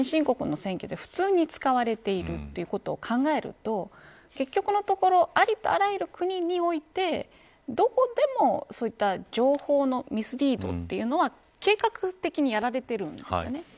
そうしたものが先進国の選挙で普通に使われているということを考えると結局のところありとあらゆる国においてどこでも、そうした情報のミスリードというのは計画的にやられているんです。